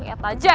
gak ada apa apa